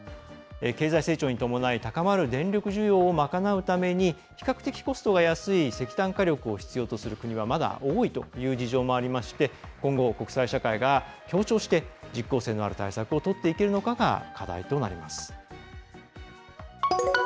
経済成長に伴い高まる電力需要を賄うために比較的コストが安い石炭火力を必要とする国はまだ多いという事情もありまして今後、国際社会が協調して実効性のある対策をとっていけるのかが課題となります。